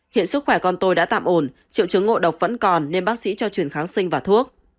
hiện sức khỏe con tôi đã tạm ổn triệu chứng ngộ độc vẫn còn nên bác sĩ cho chuyển kháng sinh và thuốc